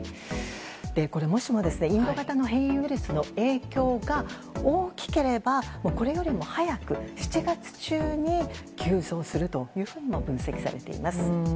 もしも、インド型の変異ウイルスの影響が大きければ、これよりも早く７月中にも急増すると分析されています。